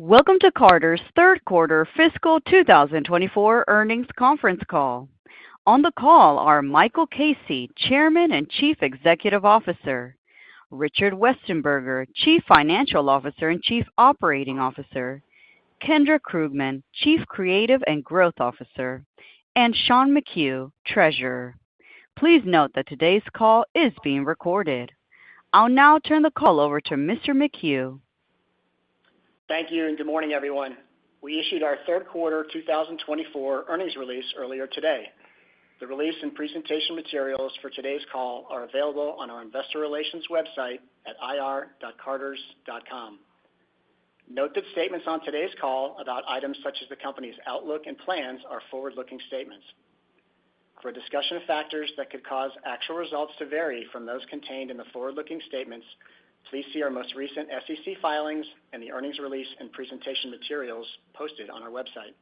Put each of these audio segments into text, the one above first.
Welcome to Carter's Third Quarter fiscal 2024 Earnings Conference Call. On the call are Michael Casey, Chairman and Chief Executive Officer, Richard Westenberger, Chief Financial Officer and Chief Operating Officer, Kendra Krugman, Chief Creative and Growth Officer, and Sean McHugh, Treasurer. Please note that today's call is being recorded. I'll now turn the call over to Mr. McHugh. Thank you, and good morning, everyone. We issued our third quarter 2024 earnings release earlier today. The release and presentation materials for today's call are available on our investor relations website at ir.carters.com. Note that statements on today's call about items such as the company's outlook and plans are forward-looking statements. For a discussion of factors that could cause actual results to vary from those contained in the forward-looking statements, please see our most recent SEC filings and the earnings release and presentation materials posted on our website.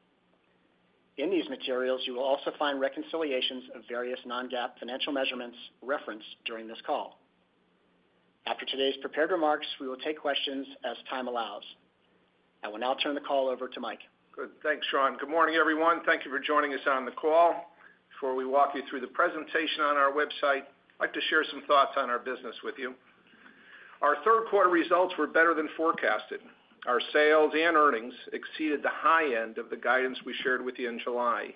In these materials, you will also find reconciliations of various non-GAAP financial measurements referenced during this call. After today's prepared remarks, we will take questions as time allows. I will now turn the call over to Mike. Good. Thanks, Sean. Good morning, everyone. Thank you for joining us on the call. Before we walk you through the presentation on our website, I'd like to share some thoughts on our business with you. Our third quarter results were better than forecasted. Our sales and earnings exceeded the high end of the guidance we shared with you in July.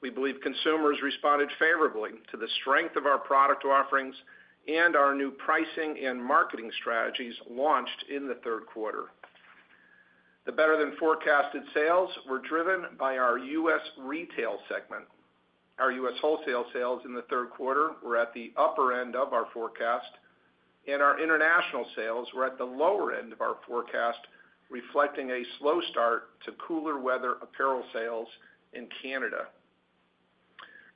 We believe consumers responded favorably to the strength of our product offerings and our new pricing and marketing strategies launched in the third quarter. The better-than-forecasted sales were driven by our U.S. retail segment. Our U.S. wholesale sales in the third quarter were at the upper end of our forecast, and our international sales were at the lower end of our forecast, reflecting a slow start to cooler weather apparel sales in Canada.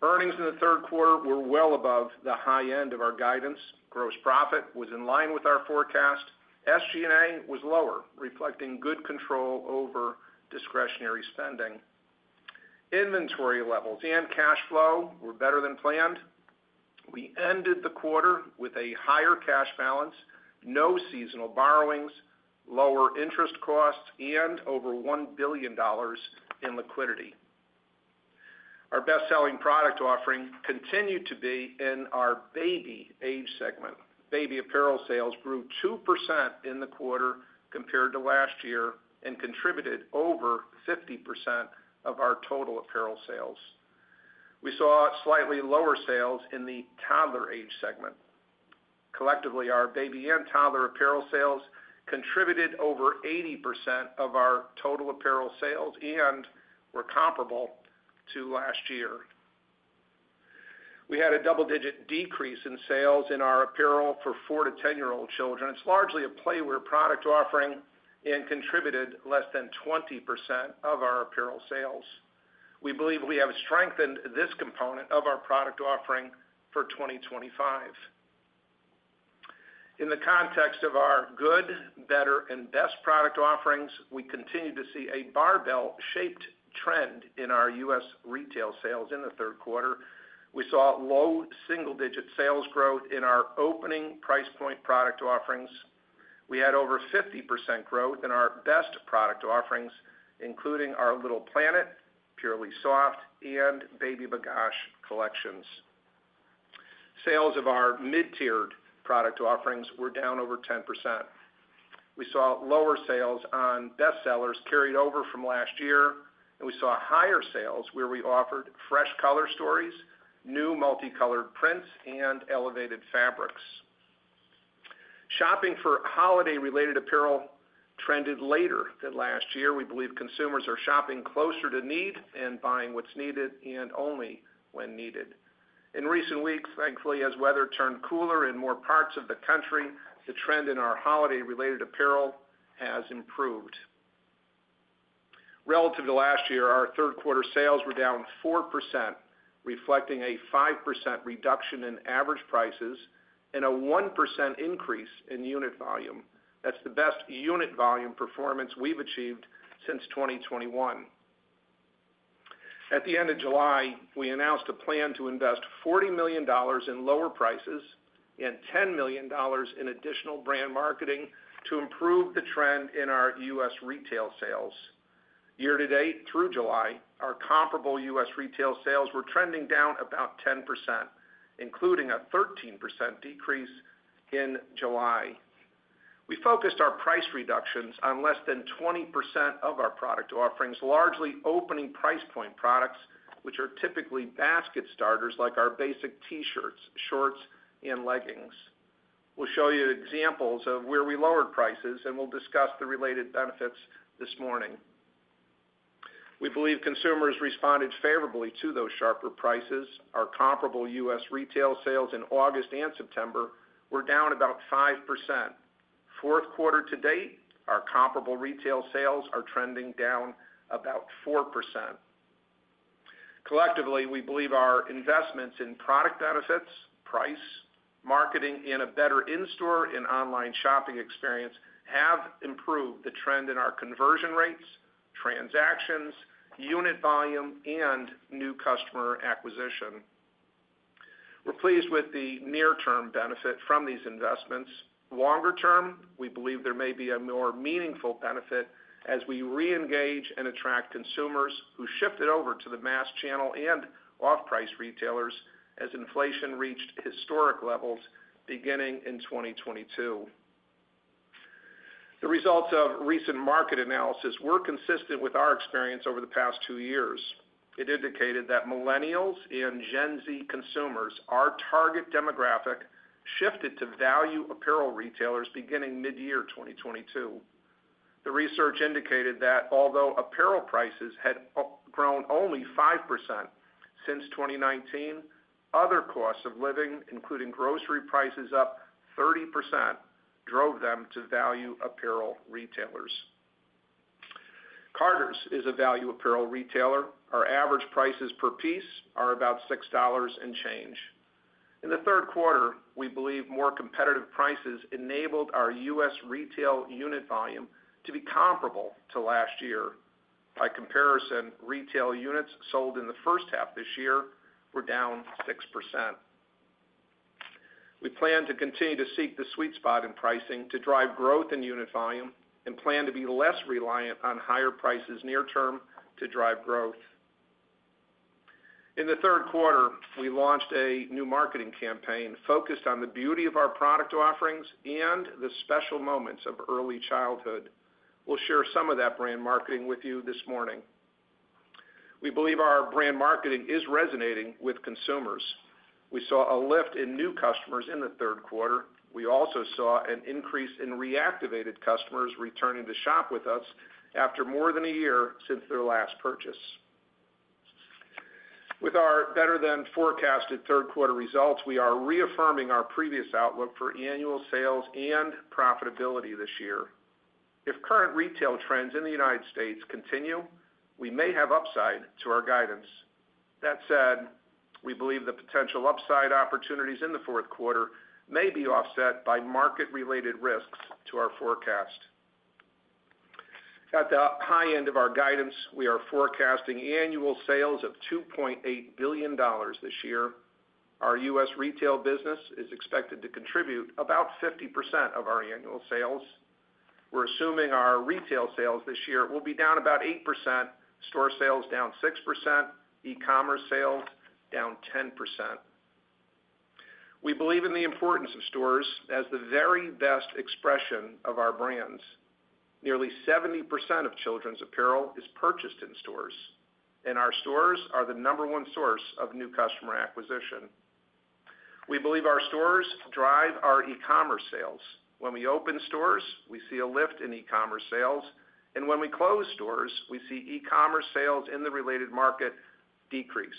Earnings in the third quarter were well above the high end of our guidance. Gross profit was in line with our forecast. SG&A was lower, reflecting good control over discretionary spending. Inventory levels and cash flow were better than planned. We ended the quarter with a higher cash balance, no seasonal borrowings, lower interest costs, and over $1 billion in liquidity. Our best-selling product offering continued to be in our baby age segment. Baby apparel sales grew 2% in the quarter compared to last year and contributed over 50% of our total apparel sales. We saw slightly lower sales in the toddler age segment. Collectively, our baby and toddler apparel sales contributed over 80% of our total apparel sales and were comparable to last year. We had a double-digit decrease in sales in our apparel for four to ten-year-old children. It's largely a playwear product offering and contributed less than 20% of our apparel sales. We believe we have strengthened this component of our product offering for 2025. In the context of our good, better, and best product offerings, we continue to see a barbell-shaped trend in our U.S. retail sales in the third quarter. We saw low single-digit sales growth in our opening price point product offerings. We had over 50% growth in our best product offerings, including our Little Planet, Purely Soft, and Baby B'gosh collections. Sales of our mid-tiered product offerings were down over 10%. We saw lower sales on bestsellers carried over from last year, and we saw higher sales where we offered fresh color stories, new multicolored prints, and elevated fabrics. Shopping for holiday-related apparel trended later than last year. We believe consumers are shopping closer to need and buying what's needed and only when needed. In recent weeks, thankfully, as weather turned cooler in more parts of the country, the trend in our holiday-related apparel has improved. Relative to last year, our third quarter sales were down 4%, reflecting a 5% reduction in average prices and a 1% increase in unit volume. That's the best unit volume performance we've achieved since 2021. At the end of July, we announced a plan to invest $40 million in lower prices and $10 million in additional brand marketing to improve the trend in our U.S. retail sales. Year to date, through July, our comparable U.S. retail sales were trending down about 10%, including a 13% decrease in July. We focused our price reductions on less than 20% of our product offerings, largely opening price point products, which are typically basket starters like our basic T-shirts, shorts, and leggings. We'll show you examples of where we lowered prices, and we'll discuss the related benefits this morning. We believe consumers responded favorably to those sharper prices. Our comparable U.S. retail sales in August and September were down about 5%. Fourth quarter to date, our comparable retail sales are trending down about 4%. Collectively, we believe our investments in product benefits, price, marketing, and a better in-store and online shopping experience have improved the trend in our conversion rates, transactions, unit volume, and new customer acquisition. We're pleased with the near-term benefit from these investments. Longer term, we believe there may be a more meaningful benefit as we reengage and attract consumers who shifted over to the mass channel and off-price retailers as inflation reached historic levels beginning in twenty twenty-two. The results of recent market analysis were consistent with our experience over the past two years. It indicated that Millennials and Gen Z consumers, our target demographic, shifted to value apparel retailers beginning mid-year 2022. The research indicated that although apparel prices had grown only 5% since 2019, other costs of living, including grocery prices up 30%, drove them to value apparel retailers. Carter's is a value apparel retailer. Our average prices per piece are about six dollars and change. In the third quarter, we believe more competitive prices enabled our U.S. retail unit volume to be comparable to last year. By comparison, retail units sold in the first half this year were down 6%. We plan to continue to seek the sweet spot in pricing to drive growth in unit volume and plan to be less reliant on higher prices near term to drive growth. In the third quarter, we launched a new marketing campaign focused on the beauty of our product offerings and the special moments of early childhood. We'll share some of that brand marketing with you this morning. We believe our brand marketing is resonating with consumers. We saw a lift in new customers in the third quarter. We also saw an increase in reactivated customers returning to shop with us after more than a year since their last purchase. With our better-than-forecasted third quarter results, we are reaffirming our previous outlook for annual sales and profitability this year. If current retail trends in the United States continue, we may have upside to our guidance. That said, we believe the potential upside opportunities in the fourth quarter may be offset by market-related risks to our forecast. At the high end of our guidance, we are forecasting annual sales of $2.8 billion this year. Our U.S. retail business is expected to contribute about 50% of our annual sales. We're assuming our retail sales this year will be down about 8%, store sales down 6%, e-commerce sales down 10%. We believe in the importance of stores as the very best expression of our brands. Nearly 70% of children's apparel is purchased in stores, and our stores are the number one source of new customer acquisition. We believe our stores drive our e-commerce sales. When we open stores, we see a lift in e-commerce sales, and when we close stores, we see e-commerce sales in the related market decrease.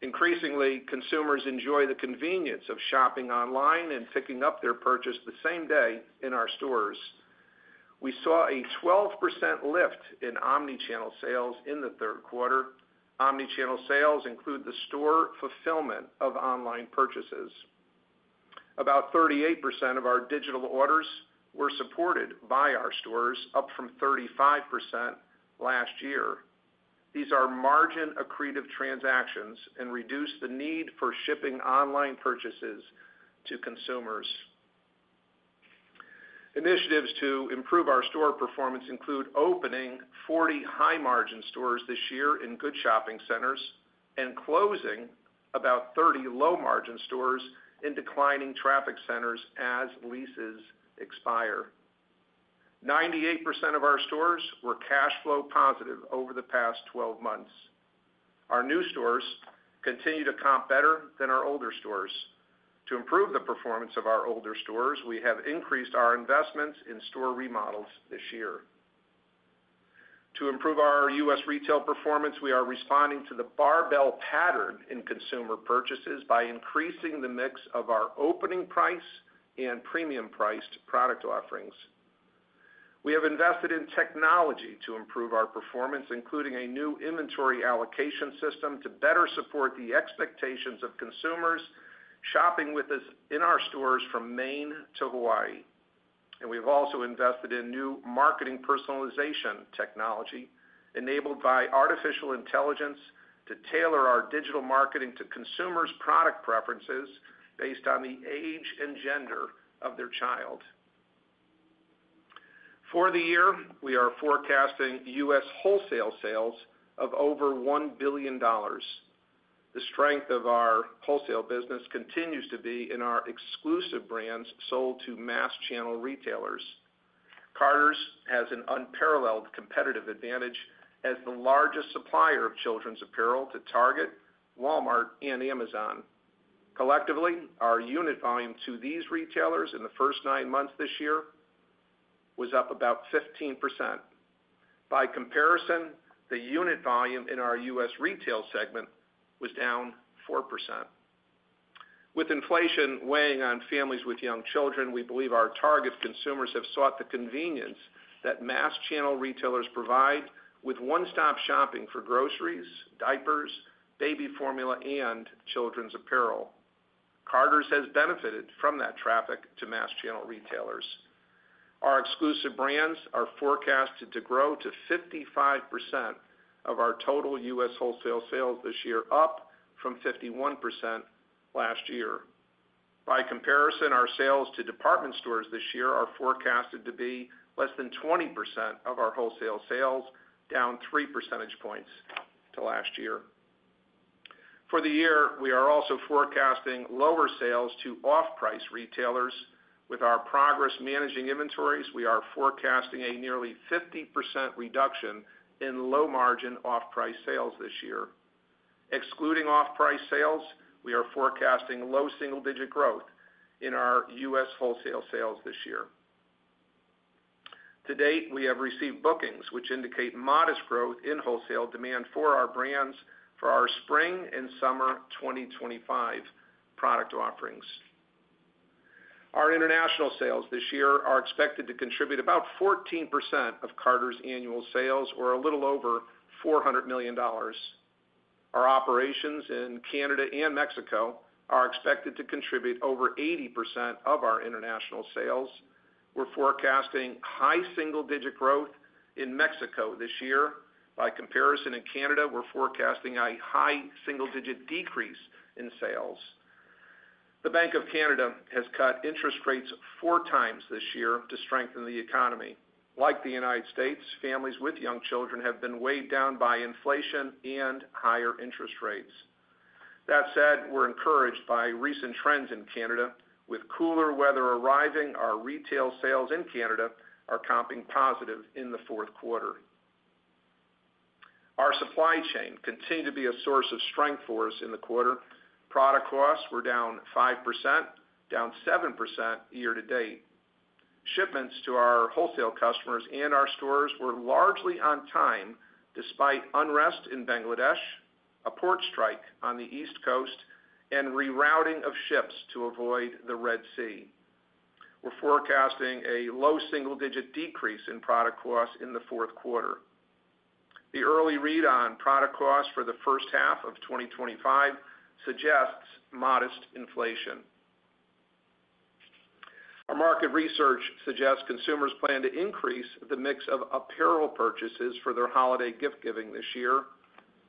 Increasingly, consumers enjoy the convenience of shopping online and picking up their purchase the same day in our stores. We saw a 12% lift in omnichannel sales in the third quarter. Omnichannel sales include the store fulfillment of online purchases. About 38% of our digital orders were supported by our stores, up from 35% last year. These are margin-accretive transactions and reduce the need for shipping online purchases to consumers. Initiatives to improve our store performance include opening 40 high-margin stores this year in good shopping centers and closing about 30 low-margin stores in declining traffic centers as leases expire. 98% of our stores were cash flow positive over the past 12 months. Our new stores continue to comp better than our older stores. To improve the performance of our older stores, we have increased our investments in store remodels this year. To improve our U.S. retail performance, we are responding to the barbell pattern in consumer purchases by increasing the mix of our opening price and premium-priced product offerings. We have invested in technology to improve our performance, including a new inventory allocation system to better support the expectations of consumers shopping with us in our stores from Maine to Hawaii, and we've also invested in new marketing personalization technology, enabled by artificial intelligence, to tailor our digital marketing to consumers' product preferences based on the age and gender of their child. For the year, we are forecasting U.S. wholesale sales of over $1 billion. The strength of our wholesale business continues to be in our exclusive brands sold to mass channel retailers. Carter's has an unparalleled competitive advantage as the largest supplier of children's apparel to Target, Walmart, and Amazon. Collectively, our unit volume to these retailers in the first nine months this year was up about 15%. By comparison, the unit volume in our U.S. retail segment was down 4%. With inflation weighing on families with young children, we believe our target consumers have sought the convenience that mass channel retailers provide with one-stop shopping for groceries, diapers, baby formula, and children's apparel... Carter's has benefited from that traffic to mass channel retailers. Our exclusive brands are forecasted to grow to 55% of our total U.S. wholesale sales this year, up from 51% last year. By comparison, our sales to department stores this year are forecasted to be less than 20% of our wholesale sales, down three percentage points to last year. For the year, we are also forecasting lower sales to off-price retailers. With our progress managing inventories, we are forecasting a nearly 50% reduction in low-margin off-price sales this year. Excluding off-price sales, we are forecasting low single-digit growth in our U.S. wholesale sales this year. To date, we have received bookings, which indicate modest growth in wholesale demand for our brands for our spring and summer 2025 product offerings. Our international sales this year are expected to contribute about 14% of Carter's annual sales or a little over $400 million. Our operations in Canada and Mexico are expected to contribute over 80% of our international sales. We're forecasting high single-digit growth in Mexico this year. By comparison, in Canada, we're forecasting a high single-digit decrease in sales. The Bank of Canada has cut interest rates four times this year to strengthen the economy. Like the United States, families with young children have been weighed down by inflation and higher interest rates. That said, we're encouraged by recent trends in Canada. With cooler weather arriving, our retail sales in Canada are comping positive in the fourth quarter. Our supply chain continued to be a source of strength for us in the quarter. Product costs were down 5%, down 7% year to date. Shipments to our wholesale customers and our stores were largely on time, despite unrest in Bangladesh, a port strike on the East Coast, and rerouting of ships to avoid the Red Sea. We're forecasting a low single-digit decrease in product costs in the fourth quarter. The early read on product costs for the first half of 2025 suggests modest inflation. Our market research suggests consumers plan to increase the mix of apparel purchases for their holiday gift-giving this year.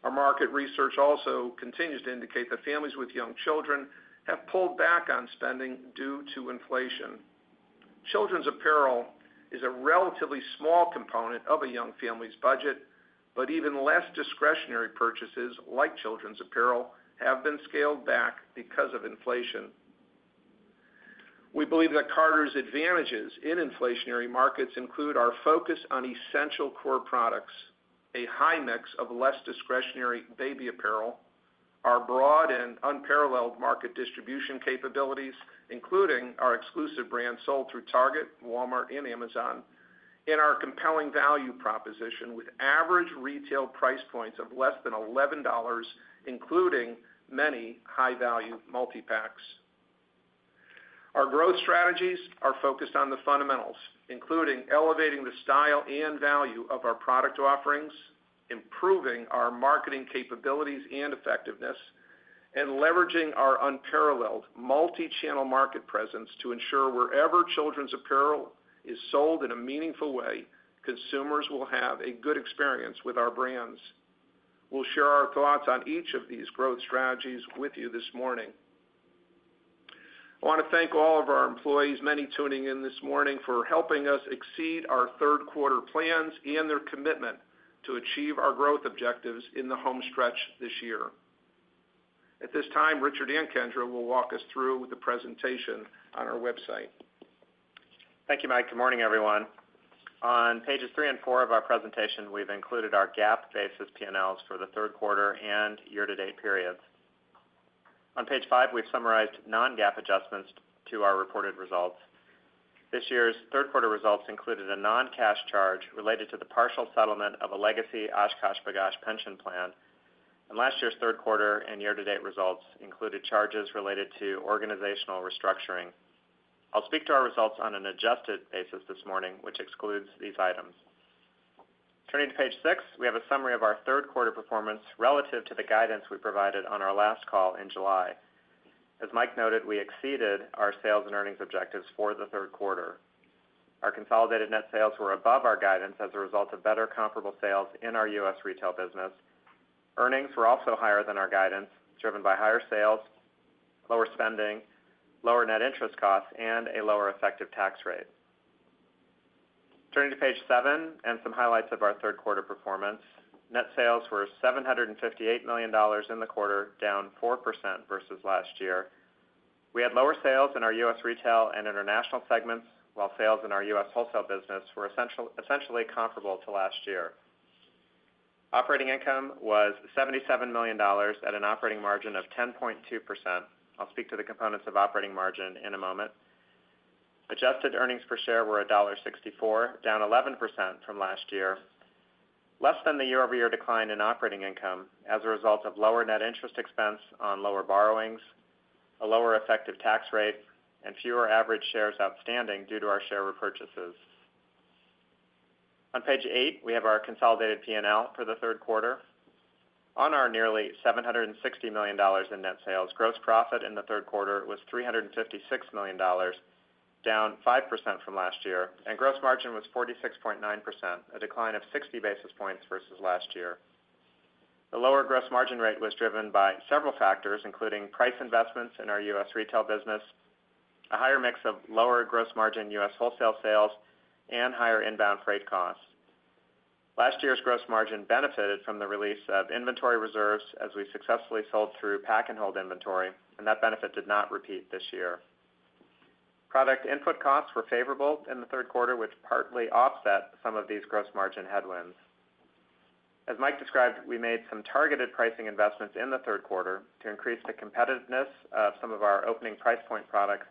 Our market research also continues to indicate that families with young children have pulled back on spending due to inflation. Children's apparel is a relatively small component of a young family's budget, but even less discretionary purchases, like children's apparel, have been scaled back because of inflation. We believe that Carter's advantages in inflationary markets include our focus on essential core products, a high mix of less discretionary baby apparel, our broad and unparalleled market distribution capabilities, including our exclusive brands sold through Target, Walmart, and Amazon, and our compelling value proposition with average retail price points of less than $11, including many high-value multi-packs. Our growth strategies are focused on the fundamentals, including elevating the style and value of our product offerings, improving our marketing capabilities and effectiveness, and leveraging our unparalleled multi-channel market presence to ensure wherever children's apparel is sold in a meaningful way, consumers will have a good experience with our brands. We'll share our thoughts on each of these growth strategies with you this morning. I want to thank all of our employees, many tuning in this morning, for helping us exceed our third quarter plans and their commitment to achieve our growth objectives in the home stretch this year. At this time, Richard and Kendra will walk us through the presentation on our website. Thank you, Mike. Good morning, everyone. On pages three and four of our presentation, we've included our GAAP basis P&Ls for the third quarter and year-to-date periods. On page five, we've summarized non-GAAP adjustments to our reported results. This year's third quarter results included a non-cash charge related to the partial settlement of a legacy OshKosh B'gosh pension plan, and last year's third quarter and year-to-date results included charges related to organizational restructuring. I'll speak to our results on an adjusted basis this morning, which excludes these items. Turning to page six, we have a summary of our third quarter performance relative to the guidance we provided on our last call in July. As Mike noted, we exceeded our sales and earnings objectives for the third quarter. Our consolidated net sales were above our guidance as a result of better comparable sales in our U.S. retail business. Earnings were also higher than our guidance, driven by higher sales, lower spending, lower net interest costs, and a lower effective tax rate. Turning to page 7 and some highlights of our third quarter performance. Net sales were $758 million in the quarter, down 4% versus last year. We had lower sales in our U.S. retail and international segments, while sales in our U.S. wholesale business were essentially comparable to last year. Operating income was $77 million at an operating margin of 10.2%. I'll speak to the components of operating margin in a moment. Adjusted earnings per share were $1.64, down 11% from last year, less than the year-over-year decline in operating income as a result of lower net interest expense on lower borrowings, a lower effective tax rate, and fewer average shares outstanding due to our share repurchases. On page eight, we have our consolidated P&L for the third quarter. On our nearly $760 million in net sales, gross profit in the third quarter was $356 million, down 5% from last year, and gross margin was 46.9%, a decline of 60 basis points versus last year. The lower gross margin rate was driven by several factors, including price investments in our U.S. retail business, a higher mix of lower gross margin U.S. wholesale sales, and higher inbound freight costs. Last year's gross margin benefited from the release of inventory reserves as we successfully sold through pack-and-hold inventory, and that benefit did not repeat this year. Product input costs were favorable in the third quarter, which partly offset some of these gross margin headwinds. As Mike described, we made some targeted pricing investments in the third quarter to increase the competitiveness of some of our opening price point products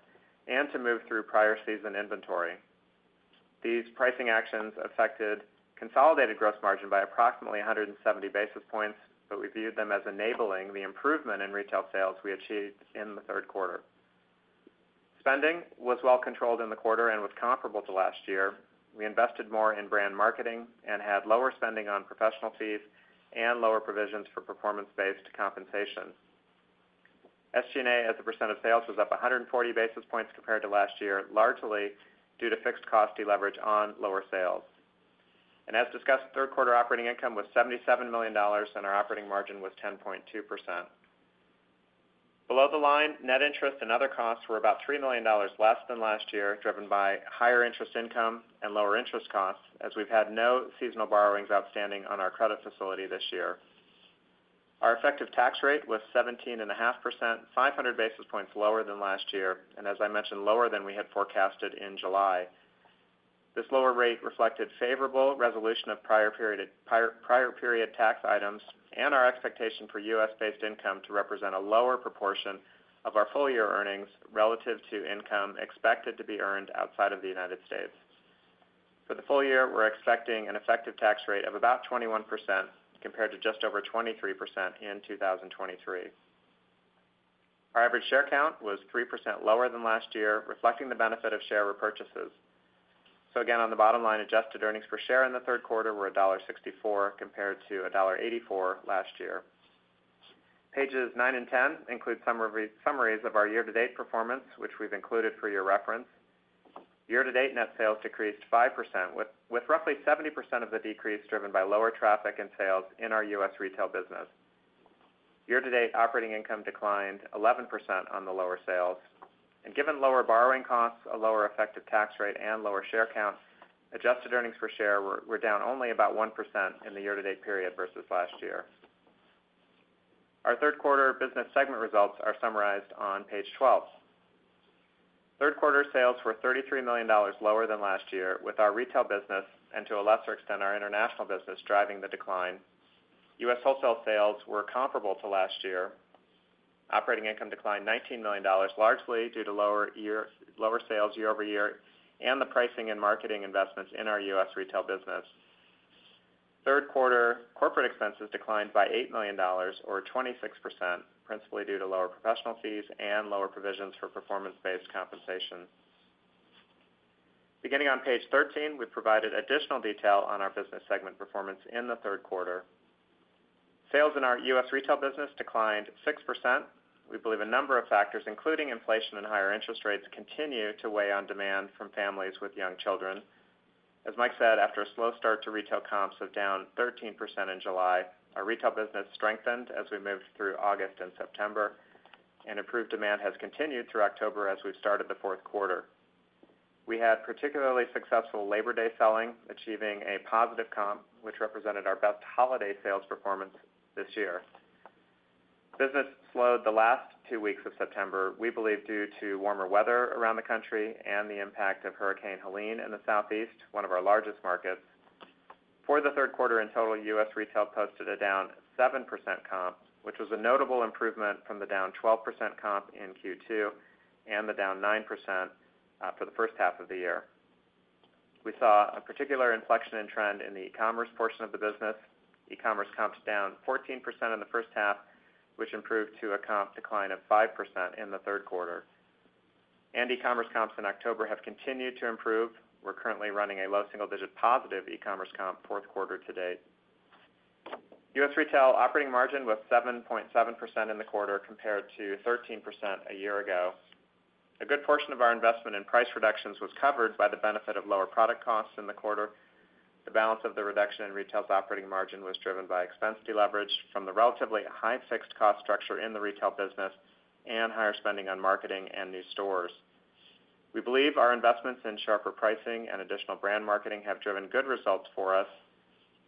and to move through prior season inventory. These pricing actions affected consolidated gross margin by approximately 170 basis points, but we viewed them as enabling the improvement in retail sales we achieved in the third quarter. Spending was well controlled in the quarter and was comparable to last year. We invested more in brand marketing and had lower spending on professional fees and lower provisions for performance-based compensation. SG&A, as a percent of sales, was up 140 basis points compared to last year, largely due to fixed cost deleverage on lower sales. And as discussed, third quarter operating income was $77 million, and our operating margin was 10.2%. Below the line, net interest and other costs were about $3 million less than last year, driven by higher interest income and lower interest costs, as we've had no seasonal borrowings outstanding on our credit facility this year. Our effective tax rate was 17.5%, 500 basis points lower than last year, and as I mentioned, lower than we had forecasted in July. This lower rate reflected favorable resolution of prior period tax items and our expectation for U.S.-based income to represent a lower proportion of our full-year earnings relative to income expected to be earned outside of the United States. For the full year, we're expecting an effective tax rate of about 21%, compared to just over 23% in 2023. Our average share count was 3% lower than last year, reflecting the benefit of share repurchases. So again, on the bottom line, adjusted earnings per share in the third quarter were $1.64 compared to $1.84 last year. Pages nine and ten include summaries of our year-to-date performance, which we've included for your reference. Year-to-date net sales decreased 5%, with roughly 70% of the decrease driven by lower traffic and sales in our U.S. retail business. Year-to-date operating income declined 11% on the lower sales, and given lower borrowing costs, a lower effective tax rate, and lower share counts, adjusted earnings per share were down only about 1% in the year-to-date period versus last year. Our third quarter business segment results are summarized on page 12. Third quarter sales were $33 million lower than last year, with our retail business, and to a lesser extent, our international business, driving the decline. U.S. wholesale sales were comparable to last year. Operating income declined $19 million, largely due to lower sales year over year and the pricing and marketing investments in our U.S. retail business. Third quarter corporate expenses declined by $8 million or 26%, principally due to lower professional fees and lower provisions for performance-based compensation. Beginning on page 13, we've provided additional detail on our business segment performance in the third quarter. Sales in our U.S. retail business declined 6%. We believe a number of factors, including inflation and higher interest rates, continue to weigh on demand from families with young children. As Mike said, after a slow start to retail comps of down 13% in July, our retail business strengthened as we moved through August and September, and improved demand has continued through October as we've started the fourth quarter. We had particularly successful Labor Day selling, achieving a positive comp, which represented our best holiday sales performance this year. Business slowed the last two weeks of September, we believe, due to warmer weather around the country and the impact of Hurricane Helene in the Southeast, one of our largest markets. For the third quarter in total, U.S. retail posted a down 7% comp, which was a notable improvement from the down 12% comp in Q2 and the down 9% for the first half of the year. We saw a particular inflection in trend in the e-commerce portion of the business. E-commerce comps down 14% in the first half, which improved to a comp decline of 5% in the third quarter. E-commerce comps in October have continued to improve. We're currently running a low single digit positive e-commerce comp, fourth quarter to date. U.S. retail operating margin was 7.7% in the quarter, compared to 13% a year ago. A good portion of our investment in price reductions was covered by the benefit of lower product costs in the quarter. The balance of the reduction in retail's operating margin was driven by expense deleverage from the relatively high fixed cost structure in the retail business and higher spending on marketing and new stores. We believe our investments in sharper pricing and additional brand marketing have driven good results for us.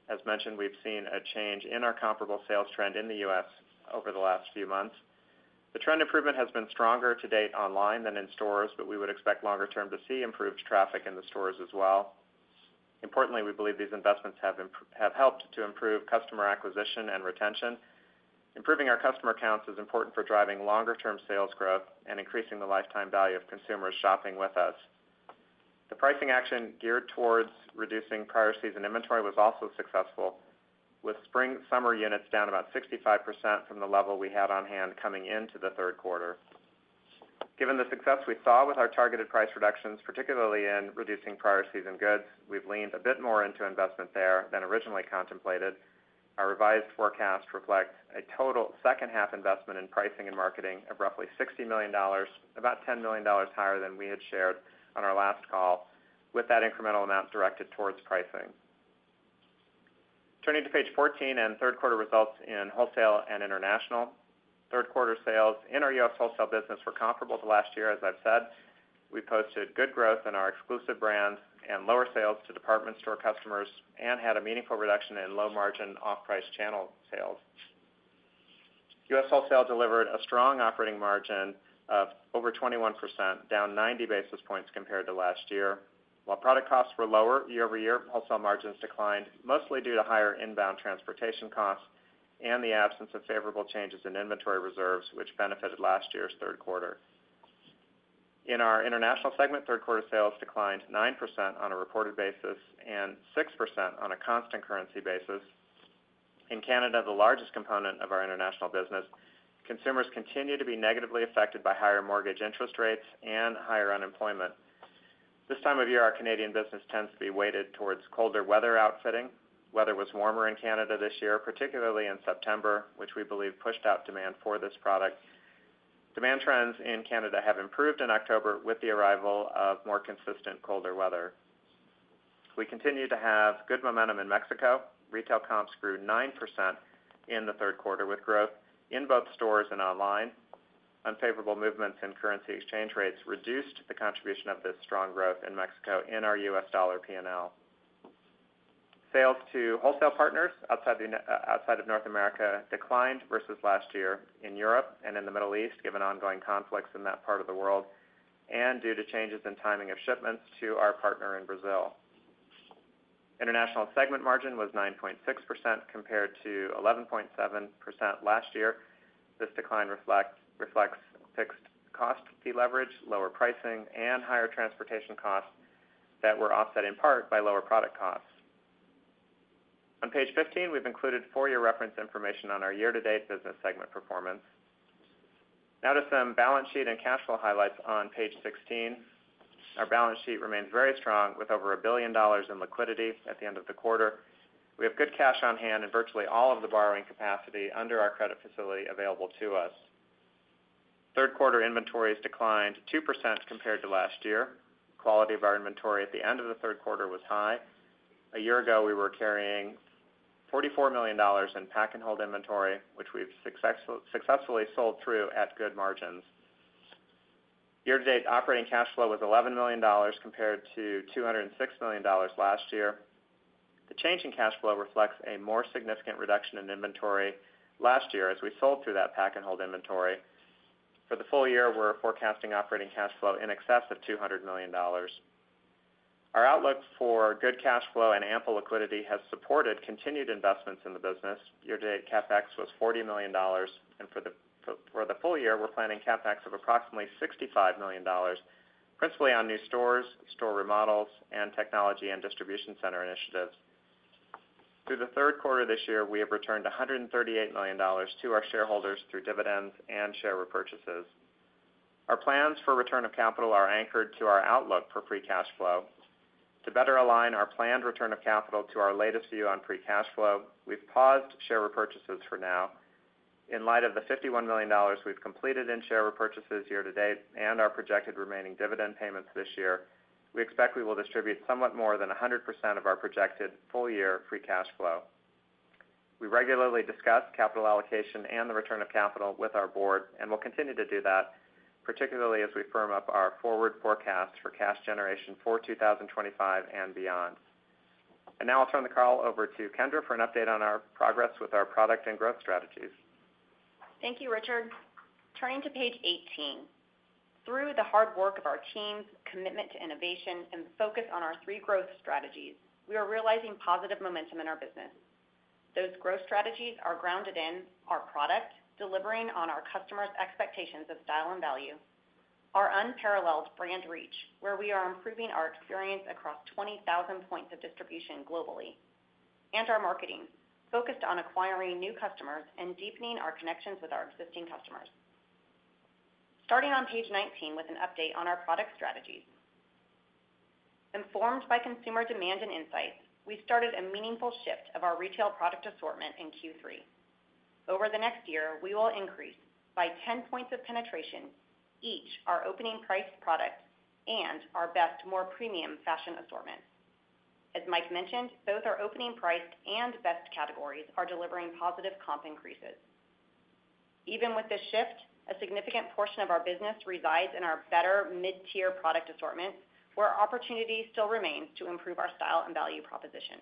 As mentioned, we've seen a change in our comparable sales trend in the U.S. over the last few months. The trend improvement has been stronger to date online than in stores, but we would expect longer term to see improved traffic in the stores as well. Importantly, we believe these investments have helped to improve customer acquisition and retention. Improving our customer counts is important for driving longer-term sales growth and increasing the lifetime value of consumers shopping with us. The pricing action geared towards reducing prior season inventory was also successful, with spring/summer units down about 65% from the level we had on hand coming into the third quarter. Given the success we saw with our targeted price reductions, particularly in reducing prior season goods, we've leaned a bit more into investment there than originally contemplated. Our revised forecast reflects a total second half investment in pricing and marketing of roughly $60 million, about $10 million higher than we had shared on our last call, with that incremental amount directed towards pricing. Turning to page 14 and third quarter results in wholesale and international. Third quarter sales in our U.S. wholesale business were comparable to last year, as I've said. We posted good growth in our exclusive brands and lower sales to department store customers, and had a meaningful reduction in low-margin, off-price channel sales. U.S. wholesale delivered a strong operating margin of over 21%, down 90 basis points compared to last year. While product costs were lower year over year, wholesale margins declined, mostly due to higher inbound transportation costs and the absence of favorable changes in inventory reserves, which benefited last year's third quarter. In our international segment, third quarter sales declined 9% on a reported basis and 6% on a constant currency basis. In Canada, the largest component of our international business, consumers continue to be negatively affected by higher mortgage interest rates and higher unemployment. This time of year, our Canadian business tends to be weighted towards colder weather outfitting. Weather was warmer in Canada this year, particularly in September, which we believe pushed out demand for this product. Demand trends in Canada have improved in October with the arrival of more consistent, colder weather. We continue to have good momentum in Mexico. Retail comps grew 9% in the third quarter, with growth in both stores and online. Unfavorable movements in currency exchange rates reduced the contribution of this strong growth in Mexico in our U.S. dollar P&L. Sales to wholesale partners outside of North America declined versus last year in Europe and in the Middle East, given ongoing conflicts in that part of the world, and due to changes in timing of shipments to our partner in Brazil. International segment margin was 9.6%, compared to 11.7% last year. This decline reflects fixed cost deleverage, lower pricing, and higher transportation costs that were offset in part by lower product costs. On page 15, we've included full-year reference information on our year-to-date business segment performance. Now to some balance sheet and cash flow highlights on page 16. Our balance sheet remains very strong, with over $1 billion in liquidity at the end of the quarter. We have good cash on hand and virtually all of the borrowing capacity under our credit facility available to us. Third quarter inventories declined 2% compared to last year. Quality of our inventory at the end of the third quarter was high. A year ago, we were carrying $44 million in pack-and-hold inventory, which we've successfully sold through at good margins. Year-to-date operating cash flow was $11 million, compared to $206 million last year. The change in cash flow reflects a more significant reduction in inventory last year as we sold through that pack-and-hold inventory. For the full year, we're forecasting operating cash flow in excess of $200 million. Our outlook for good cash flow and ample liquidity has supported continued investments in the business. Year-to-date, CapEx was $40 million, and for the full year, we're planning CapEx of approximately $65 million, principally on new stores, store remodels, and technology and distribution center initiatives. Through the third quarter this year, we have returned $138 million to our shareholders through dividends and share repurchases. Our plans for return of capital are anchored to our outlook for free cash flow. To better align our planned return of capital to our latest view on free cash flow, we've paused share repurchases for now. In light of the $51 million we've completed in share repurchases year to date and our projected remaining dividend payments this year, we expect we will distribute somewhat more than 100% of our projected full-year free cash flow. We regularly discuss capital allocation and the return of capital with our board, and we'll continue to do that, particularly as we firm up our forward forecast for cash generation for 2025 and beyond. And now I'll turn the call over to Kendra for an update on our progress with our product and growth strategies. Thank you, Richard. Turning to page 18. Through the hard work of our teams, commitment to innovation, and focus on our three growth strategies, we are realizing positive momentum in our business. Those growth strategies are grounded in our product, delivering on our customers' expectations of style and value. Our unparalleled brand reach, where we are improving our experience across 20,000 points of distribution globally. And our marketing, focused on acquiring new customers and deepening our connections with our existing customers. Starting on page 19 with an update on our product strategies. Informed by consumer demand and insights, we started a meaningful shift of our retail product assortment in Q3. Over the next year, we will increase by 10 points of penetration, each, our opening priced product and our best, more premium fashion assortment. As Mike mentioned, both our opening priced and best categories are delivering positive comp increases. Even with this shift, a significant portion of our business resides in our better, mid-tier product assortment, where opportunity still remains to improve our style and value proposition.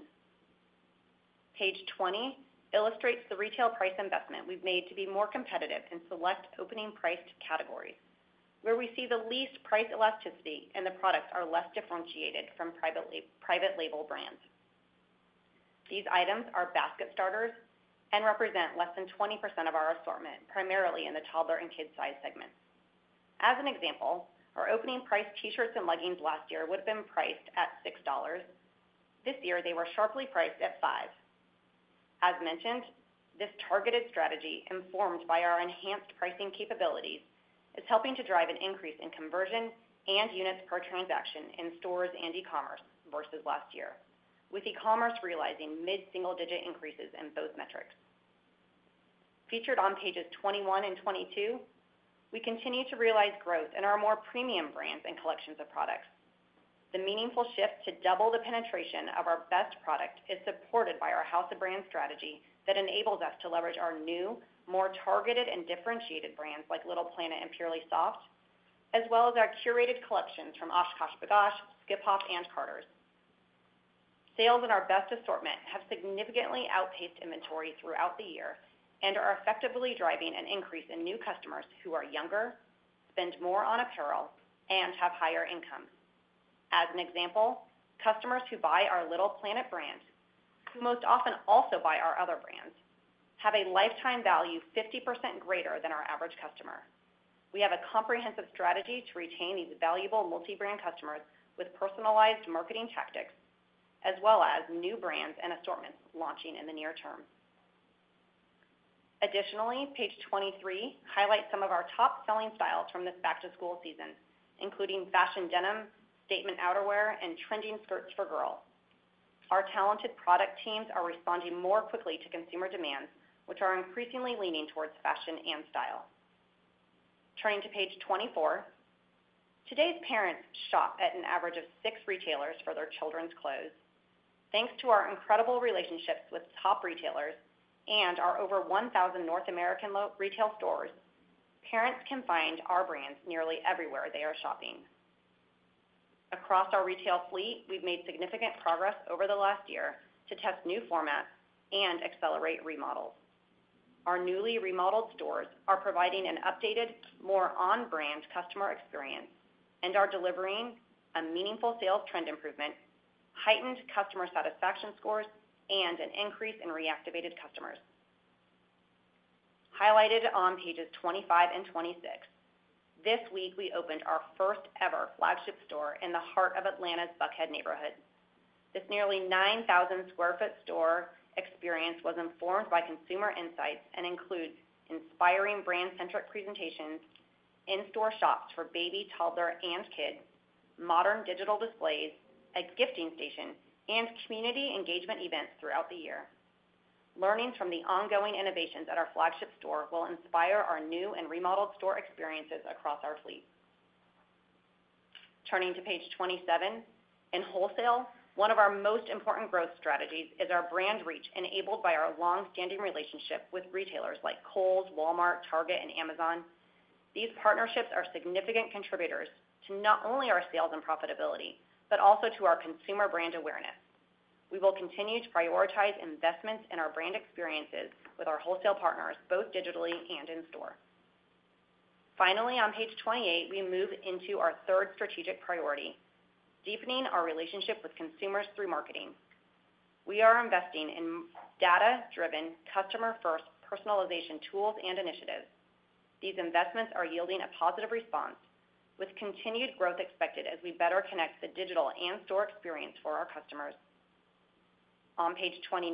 Page 20 illustrates the retail price investment we've made to be more competitive in select opening priced categories, where we see the least price elasticity and the products are less differentiated from private label brands. These items are basket starters and represent less than 20% of our assortment, primarily in the toddler and kids size segments. As an example, our opening priced T-shirts and leggings last year would have been priced at $6. This year, they were sharply priced at $5.... As mentioned, this targeted strategy, informed by our enhanced pricing capabilities, is helping to drive an increase in conversion and units per transaction in stores and e-commerce versus last year, with e-commerce realizing mid-single digit increases in both metrics. Featured on pages twenty-one and twenty-two, we continue to realize growth in our more premium brands and collections of products. The meaningful shift to double the penetration of our best product is supported by our House of Brands strategy that enables us to leverage our new, more targeted, and differentiated brands, like Little Planet and Purely Soft, as well as our curated collections from OshKosh B'gosh, Skip Hop, and Carter's. Sales in our best assortment have significantly outpaced inventory throughout the year and are effectively driving an increase in new customers who are younger, spend more on apparel, and have higher incomes. As an example, customers who buy our Little Planet brand, who most often also buy our other brands, have a lifetime value 50% greater than our average customer. We have a comprehensive strategy to retain these valuable multi-brand customers with personalized marketing tactics, as well as new brands and assortments launching in the near term. Additionally, page twenty-three highlights some of our top selling styles from this back-to-school season, including fashion denim, statement outerwear, and trending skirts for girls. Our talented product teams are responding more quickly to consumer demands, which are increasingly leaning towards fashion and style. Turning to page twenty-four. Today's parents shop at an average of six retailers for their children's clothes. Thanks to our incredible relationships with top retailers and our over one thousand North American retail stores, parents can find our brands nearly everywhere they are shopping. Across our retail fleet, we've made significant progress over the last year to test new formats and accelerate remodels. Our newly remodeled stores are providing an updated, more on-brand customer experience and are delivering a meaningful sales trend improvement, heightened customer satisfaction scores, and an increase in reactivated customers. Highlighted on pages 25 and 26, this week, we opened our first ever flagship store in the heart of Atlanta's Buckhead neighborhood. This nearly 9,000 sq ft store experience was informed by consumer insights and includes inspiring brand-centric presentations, in-store shops for baby, toddler, and kid, modern digital displays, a gifting station, and community engagement events throughout the year. Learnings from the ongoing innovations at our flagship store will inspire our new and remodeled store experiences across our fleet. Turning to page 27, in wholesale, one of our most important growth strategies is our brand reach, enabled by our long-standing relationship with retailers like Kohl's, Walmart, Target, and Amazon. These partnerships are significant contributors to not only our sales and profitability, but also to our consumer brand awareness. We will continue to prioritize investments in our brand experiences with our wholesale partners, both digitally and in store. Finally, on page 28, we move into our third strategic priority, deepening our relationship with consumers through marketing. We are investing in data-driven, customer-first personalization tools and initiatives. These investments are yielding a positive response, with continued growth expected as we better connect the digital and store experience for our customers. On page 29,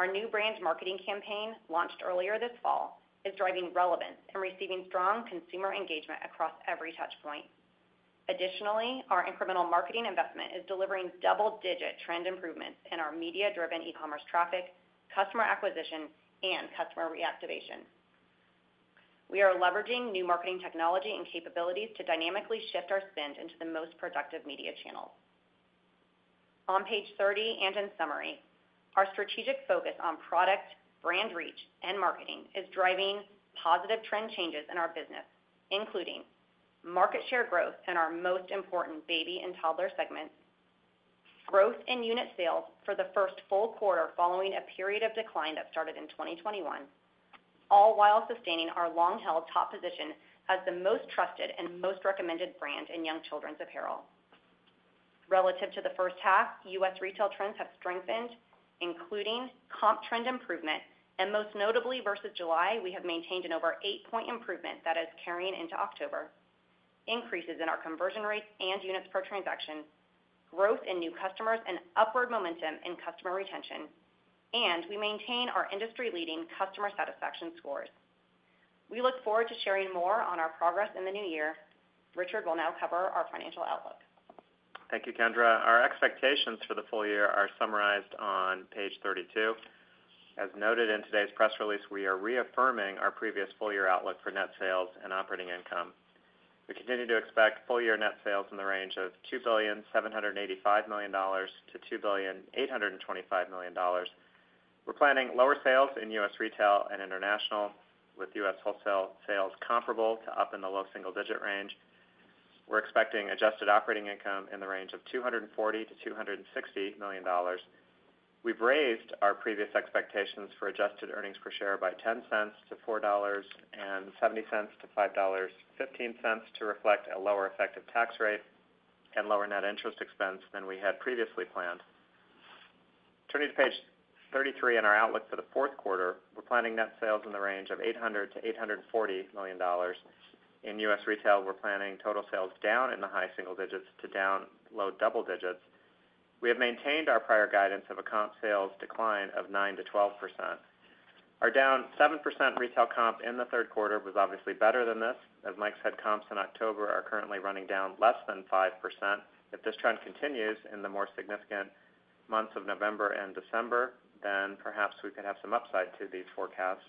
our new brand marketing campaign, launched earlier this fall, is driving relevance and receiving strong consumer engagement across every touch point. Additionally, our incremental marketing investment is delivering double-digit trend improvements in our media-driven e-commerce traffic, customer acquisition, and customer reactivation. We are leveraging new marketing technology and capabilities to dynamically shift our spend into the most productive media channels. On page 30 and in summary, our strategic focus on product, brand reach, and marketing is driving positive trend changes in our business, including market share growth in our most important baby and toddler segments, growth in unit sales for the first full quarter following a period of decline that started in 2021, all while sustaining our long-held top position as the most trusted and most recommended brand in young children's apparel. Relative to the first half, U.S. retail trends have strengthened, including comp trend improvement, and most notably, versus July, we have maintained an over eight-point improvement that is carrying into October, increases in our conversion rates and units per transaction, growth in new customers, and upward momentum in customer retention, and we maintain our industry-leading customer satisfaction scores. We look forward to sharing more on our progress in the new year. Richard will now cover our financial outlook. Thank you, Kendra. Our expectations for the full year are summarized on page 32. As noted in today's press release, we are reaffirming our previous full year outlook for net sales and operating income. We continue to expect full year net sales in the range of $2.785 billion-$2.825 billion. We're planning lower sales in U.S. retail and international, with U.S. wholesale sales comparables up in the low single-digit range. We're expecting adjusted operating income in the range of $240 million-$260 million. We've raised our previous expectations for adjusted earnings per share by $0.10 to $4.70-$5.15, to reflect a lower effective tax rate and lower net interest expense than we had previously planned. Turning to page 33, in our outlook for the fourth quarter, we're planning net sales in the range of $800-$840 million. In U.S. retail, we're planning total sales down in the high single digits to down low double digits. We have maintained our prior guidance of a comp sales decline of 9%-12%. Our down 7% retail comp in the third quarter was obviously better than this. As Mike said, comps in October are currently running down less than 5%. If this trend continues in the more significant months of November and December, then perhaps we could have some upside to these forecasts.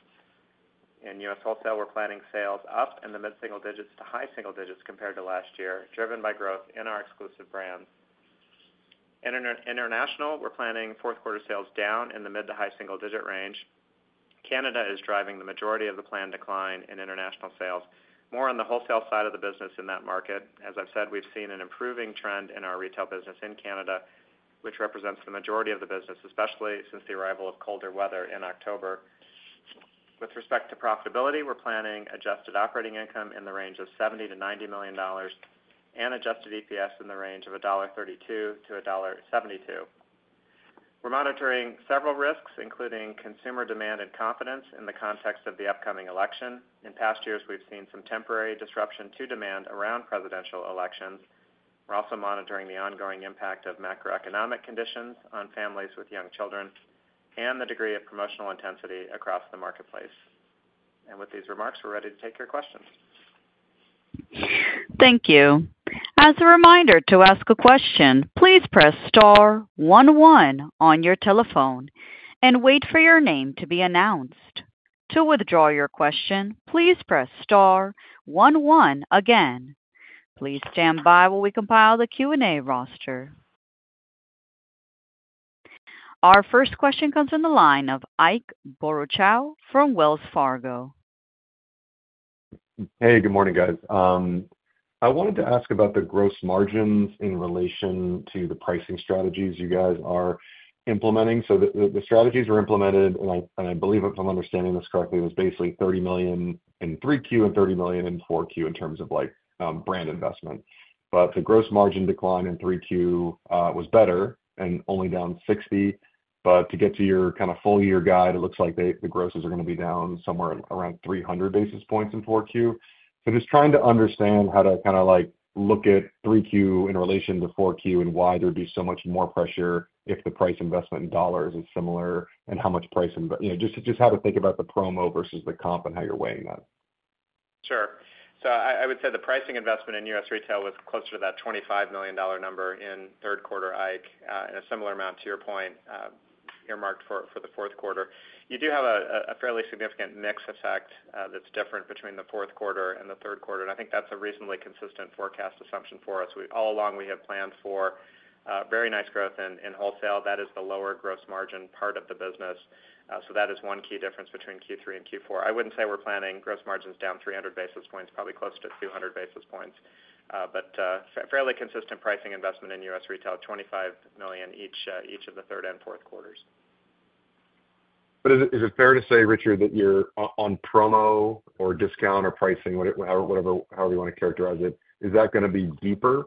In U.S. wholesale, we're planning sales up in the mid-single digits to high single digits compared to last year, driven by growth in our exclusive brands. In international, we're planning fourth quarter sales down in the mid- to high-single-digit range. Canada is driving the majority of the planned decline in international sales, more on the wholesale side of the business in that market. As I've said, we've seen an improving trend in our retail business in Canada, which represents the majority of the business, especially since the arrival of colder weather in October. With respect to profitability, we're planning adjusted operating income in the range of $70 million-$90 million and adjusted EPS in the range of $1.32-$1.72. We're monitoring several risks, including consumer demand and confidence in the context of the upcoming election. In past years, we've seen some temporary disruption to demand around presidential elections. We're also monitoring the ongoing impact of macroeconomic conditions on families with young children and the degree of promotional intensity across the marketplace, and with these remarks, we're ready to take your questions. Thank you. As a reminder to ask a question, please press star one one on your telephone and wait for your name to be announced. To withdraw your question, please press star one one again. Please stand by while we compile the Q&A roster. Our first question comes from the line of Ike Boruchow from Wells Fargo. Hey, good morning, guys. I wanted to ask about the gross margins in relation to the pricing strategies you guys are implementing. So the strategies were implemented, and I believe, if I'm understanding this correctly, it was basically $30 million in 3Q and $30 million in 4Q in terms of like, brand investment. But the gross margin decline in 3Q was better and only down 60. But to get to your kind of full year guide, it looks like the grosses are gonna be down somewhere around 300 basis points in 4Q. Just trying to understand how to kind of like look at 3Q in relation to 4Q, and why there'd be so much more pressure if the price investment in dollars is similar, and how much price inves-- You know, just how to think about the promo versus the comp and how you're weighing that. Sure. So I would say the pricing investment in U.S. retail was closer to that $25 million number in third quarter, Ike, and a similar amount to your point earmarked for the fourth quarter. You do have a fairly significant mix effect that's different between the fourth quarter and the third quarter, and I think that's a reasonably consistent forecast assumption for us. All along, we have planned for very nice growth in wholesale. That is the lower gross margin part of the business, so that is one key difference between Q3 and Q4. I wouldn't say we're planning gross margins down three hundred basis points, probably close to two hundred basis points, but fairly consistent pricing investment in U.S. retail, $25 million each of the third and fourth quarters. Is it fair to say, Richard, that you're on promo or discount or pricing, however you wanna characterize it, is that gonna be deeper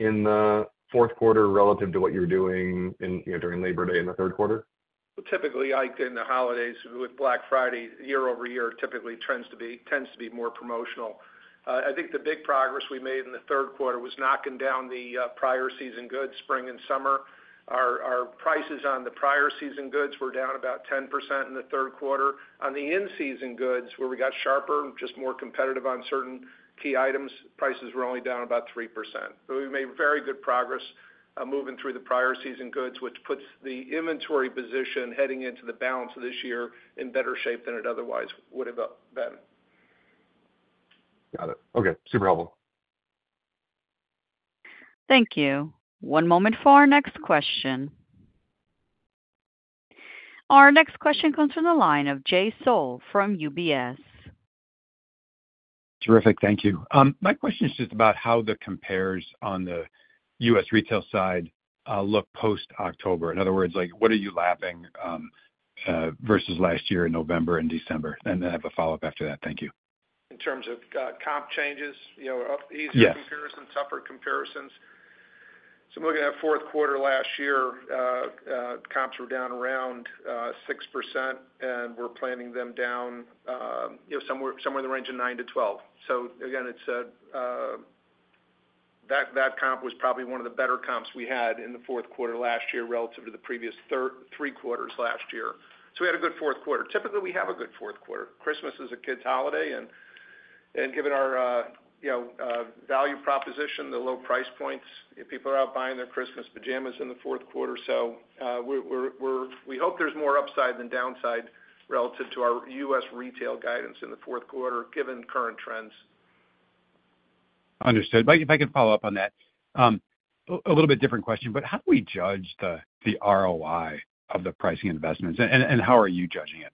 in the fourth quarter relative to what you were doing in, you know, during Labor Day in the third quarter? Typically, Ike, in the holidays, with Black Friday, year over year tends to be more promotional. I think the big progress we made in the third quarter was knocking down the prior season goods, spring and summer. Our prices on the prior season goods were down about 10% in the third quarter. On the in-season goods, where we got sharper, just more competitive on certain key items, prices were only down about 3%. So we made very good progress moving through the prior season goods, which puts the inventory position heading into the balance of this year in better shape than it otherwise would have been. Got it. Okay, super helpful. Thank you. One moment for our next question. Our next question comes from the line of Jay Sole from UBS. Terrific. Thank you. My question is just about how the comps on the U.S. retail side look post-October. In other words, like, what are you lapping versus last year in November and December? And then I have a follow-up after that. Thank you. In terms of, comp changes, you know, up- Yes. Easier comparisons, tougher comparisons? So looking at fourth quarter last year, comps were down around 6%, and we're planning them down, you know, somewhere in the range of 9%-12%. So again, it's a... That comp was probably one of the better comps we had in the fourth quarter last year relative to the previous three quarters last year. So we had a good fourth quarter. Typically, we have a good fourth quarter. Christmas is a kids' holiday, and given our, you know, value proposition, the low price points, people are out buying their Christmas pajamas in the fourth quarter. So, we hope there's more upside than downside relative to our U.S. retail guidance in the fourth quarter, given current trends. Understood. But if I could follow up on that, a little bit different question, but how do we judge the ROI of the pricing investments, and how are you judging it?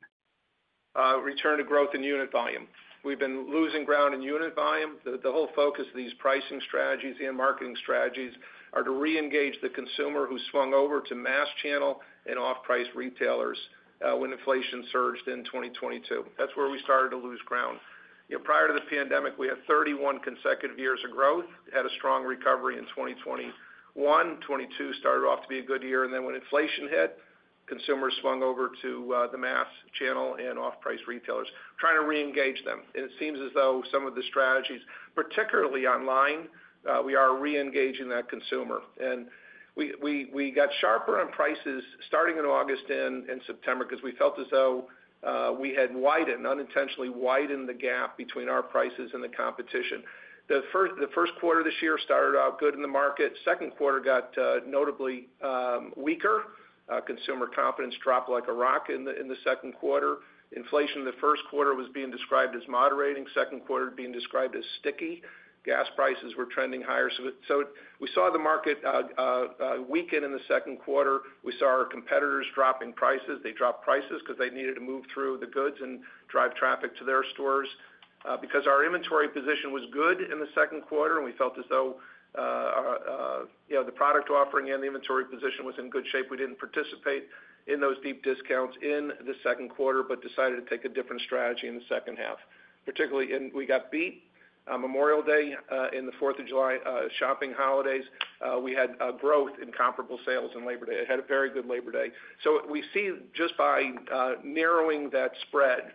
Return to growth in unit volume. We've been losing ground in unit volume. The whole focus of these pricing strategies and marketing strategies are to reengage the consumer who swung over to mass channel and off-price retailers when inflation surged in twenty twenty-two. That's where we started to lose ground. You know, prior to the pandemic, we had thirty-one consecutive years of growth, had a strong recovery in twenty twenty-one. Twenty twenty-two started off to be a good year, and then when inflation hit, consumers swung over to the mass channel and off-price retailers, trying to reengage them. And it seems as though some of the strategies, particularly online, we are reengaging that consumer. We got sharper on prices starting in August and in September because we felt as though we had widened, unintentionally widened the gap between our prices and the competition. The first quarter this year started out good in the market. Second quarter got notably weaker. Consumer confidence dropped like a rock in the second quarter. Inflation in the first quarter was being described as moderating, second quarter being described as sticky. Gas prices were trending higher. We saw the market weaken in the second quarter. We saw our competitors dropping prices. They dropped prices because they needed to move through the goods and drive traffic to their stores. Because our inventory position was good in the second quarter and we felt as though, you know, the product offering and the inventory position was in good shape, we didn't participate in those deep discounts in the second quarter, but decided to take a different strategy in the second half. Particularly, and we got beat on Memorial Day, in the Fourth of July, shopping holidays. We had growth in comparable sales on Labor Day. It had a very good Labor Day. So we see just by narrowing that spread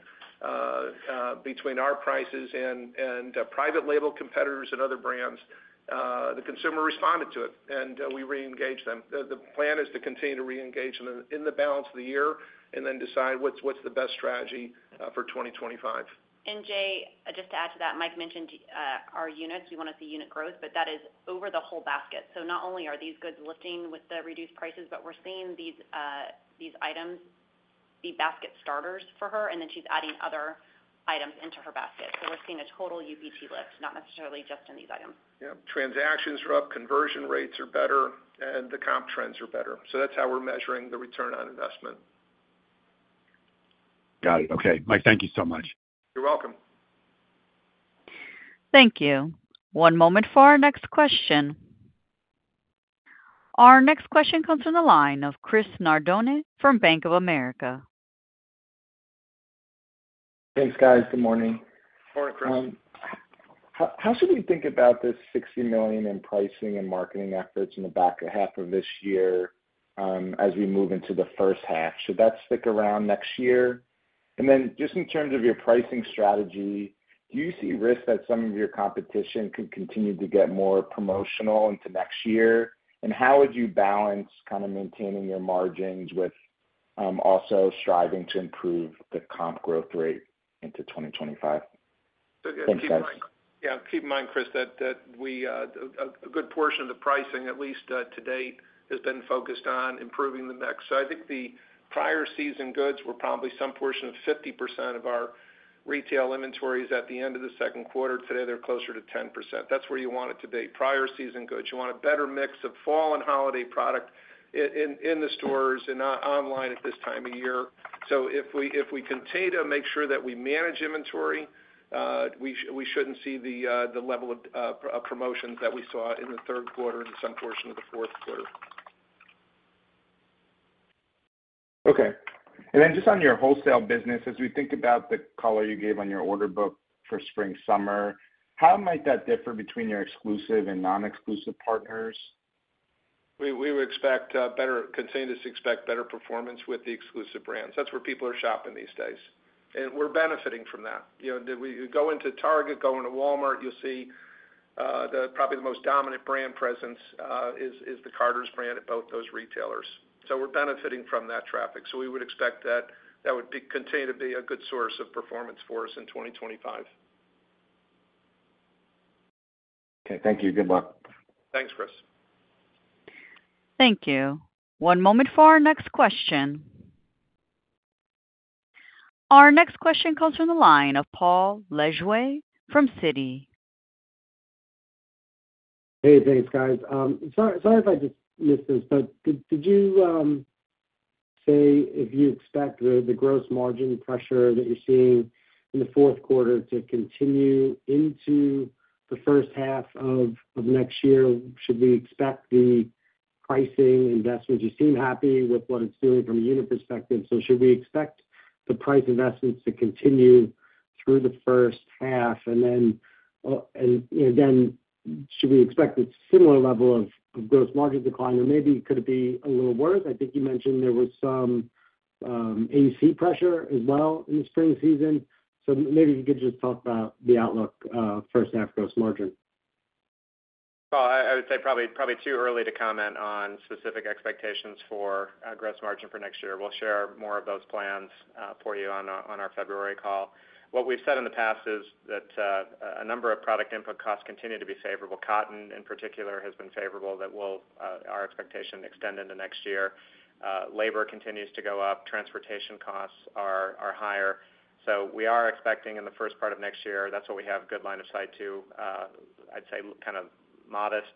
between our prices and private label competitors and other brands, the consumer responded to it, and we reengaged them. The plan is to continue to reengage them in the balance of the year and then decide what's the best strategy for twenty twenty-five. And Jay, just to add to that, Mike mentioned our units. We wanna see unit growth, but that is over the whole basket. So not only are these goods lifting with the reduced prices, but we're seeing these items be basket starters for her, and then she's adding other items into her basket. So we're seeing a total UPT lift, not necessarily just in these items. Yeah. Transactions are up, conversion rates are better, and the comp trends are better. So that's how we're measuring the return on investment. Got it. Okay, Mike, thank you so much. You're welcome. Thank you. One moment for our next question. Our next question comes from the line of Chris Nardone from Bank of America. Thanks, guys. Good morning. Morning, Chris. How should we think about this $60 million in pricing and marketing efforts in the back half of this year, as we move into the first half? Should that stick around next year? And then just in terms of your pricing strategy, do you see risk that some of your competition could continue to get more promotional into next year? And how would you balance kind of maintaining your margins with also striving to improve the comp growth rate into 2025? Thanks, guys. Yeah, keep in mind, Chris, that we have a good portion of the pricing, at least to date, has been focused on improving the mix. So I think the prior season goods were probably some portion of 50% of our retail inventories at the end of the second quarter. Today, they're closer to 10%. That's where you want it to be, prior season goods. You want a better mix of fall and holiday product in the stores and online at this time of year. So if we continue to make sure that we manage inventory, we shouldn't see the level of promotions that we saw in the third quarter and some portion of the fourth quarter. Okay. And then just on your wholesale business, as we think about the color you gave on your order book for spring/summer, how might that differ between your exclusive and non-exclusive partners? We would expect to continue to expect better performance with the exclusive brands. That's where people are shopping these days, and we're benefiting from that. You know, that we go into Target, go into Walmart, you'll see probably the most dominant brand presence is the Carter's brand at both those retailers. So we're benefiting from that traffic. So we would expect that that would continue to be a good source of performance for us in 2025. Okay, thank you. Good luck. Thanks, Chris. Thank you. One moment for our next question. Our next question comes from the line of Paul Lejuez from Citi. Hey, thanks, guys. Sorry if I just missed this, but did you say if you expect the gross margin pressure that you're seeing in the fourth quarter to continue into the first half of next year? Should we expect the pricing investments? You seem happy with what it's doing from a unit perspective, so should we expect the price investments to continue through the first half? And then, you know, then should we expect a similar level of gross margin decline, or maybe could it be a little worse? I think you mentioned there was some AUC pressure as well in the spring season. So maybe you could just talk about the outlook, first half gross margin. I would say probably too early to comment on specific expectations for gross margin for next year. We'll share more of those plans for you on our February call. What we've said in the past is that a number of product input costs continue to be favorable. Cotton, in particular, has been favorable. That will, our expectation, extend into next year. Labor continues to go up. Transportation costs are higher. So we are expecting in the first part of next year, that's what we have good line of sight to. I'd say kind of modest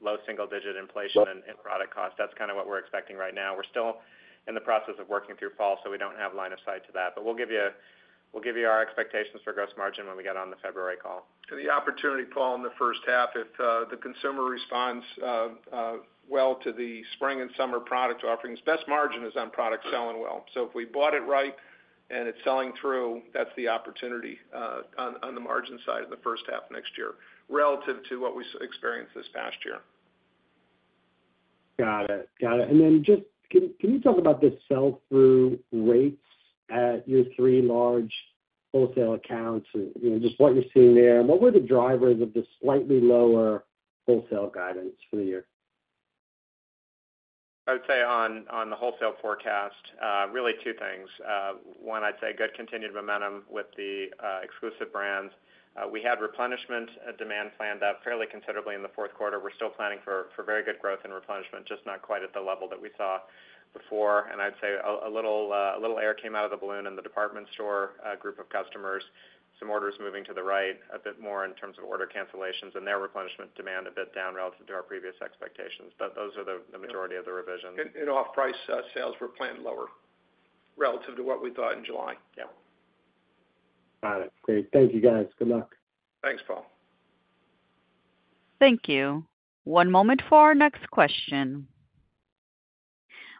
low single digit inflation- But-... in product cost. That's kind of what we're expecting right now. We're still in the process of working through fall, so we don't have line of sight to that. But we'll give you our expectations for gross margin when we get on the February call. The opportunity, Paul, in the first half, if the consumer responds well to the spring and summer product offerings, best margin is on product selling well. So if we bought it right and it's selling through, that's the opportunity on the margin side in the first half of next year, relative to what we experienced this past year. Got it. And then just, can you talk about the sell-through rates at your three large wholesale accounts and, you know, just what you're seeing there? And what were the drivers of the slightly lower wholesale guidance for the year? I would say on the wholesale forecast, really two things. One, I'd say good continued momentum with the exclusive brands. We had replenishment demand planned up fairly considerably in the fourth quarter. We're still planning for very good growth in replenishment, just not quite at the level that we saw before. And I'd say a little air came out of the balloon in the department store group of customers, some orders moving to the right, a bit more in terms of order cancellations and their replenishment demand a bit down relative to our previous expectations. But those are the majority of the revisions. Off-price sales were planned lower relative to what we thought in July. Yep. Got it. Great. Thank you, guys. Good luck. Thanks, Paul. Thank you. One moment for our next question.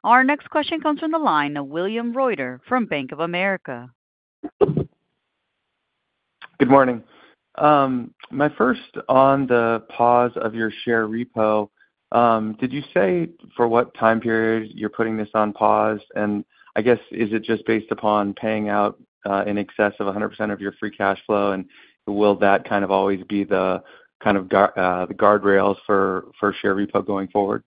Our next question comes from the line of William Reuter from Bank of America. Good morning. My first on the pause of your share repo, did you say for what time period you're putting this on pause? And I guess, is it just based upon paying out in excess of 100% of your free cash flow, and will that kind of always be the kind of guardrails for share repo going forward?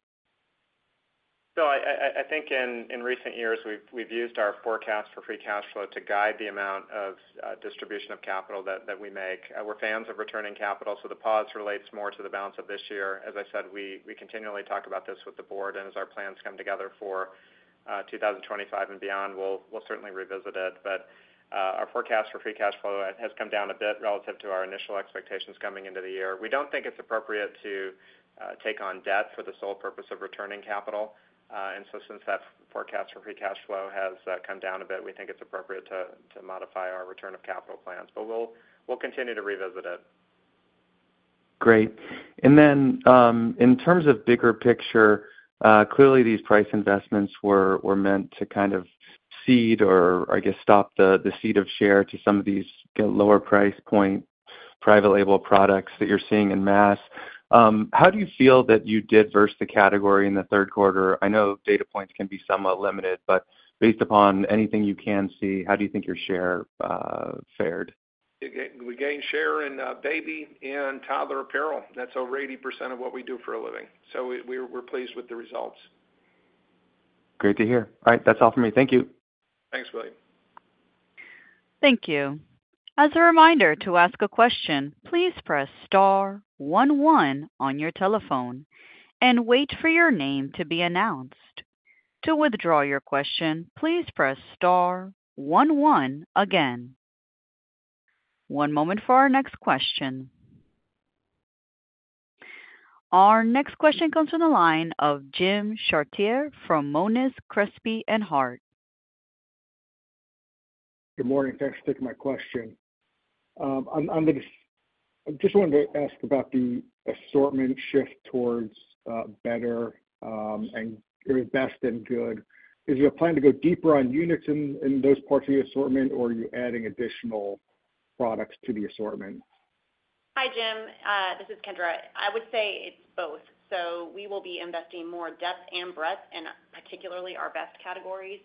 I think in recent years, we've used our forecast for free cash flow to guide the amount of distribution of capital that we make. We're fans of returning capital, so the pause relates more to the balance of this year. As I said, we continually talk about this with the board, and as our plans come together for two thousand and twenty-five and beyond, we'll certainly revisit it. But our forecast for free cash flow has come down a bit relative to our initial expectations coming into the year. We don't think it's appropriate to take on debt for the sole purpose of returning capital. And so since that forecast for free cash flow has come down a bit, we think it's appropriate to modify our return of capital plans, but we'll continue to revisit it. Great. And then, in terms of bigger picture, clearly these price investments were meant to kind of cede or I guess, stop the cede of share to some of these lower price point private label products that you're seeing in mass. How do you feel that you did versus the category in the third quarter? I know data points can be somewhat limited, but based upon anything you can see, how do you think your share fared? Again, we gained share in baby and toddler apparel. That's over 80% of what we do for a living. So we're pleased with the results. Great to hear. All right, that's all for me. Thank you. Thanks, William. Thank you. As a reminder, to ask a question, please press star one one on your telephone and wait for your name to be announced. To withdraw your question, please press star one one again. One moment for our next question. Our next question comes from the line of Jim Chartier from Monness, Crespi, Hardt & Co. Good morning. Thanks for taking my question. On the assortment shift towards better, and best and good. Is your plan to go deeper on units in those parts of the assortment, or are you adding additional products to the assortment? Hi, Jim. This is Kendra. I would say it's both. So we will be investing more depth and breadth, and particularly our best categories,